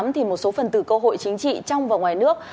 thì một số phần từ cơ hội chính trị trong và ngoài nước